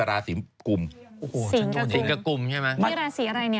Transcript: นี่ราศรีอะไรเนี่ย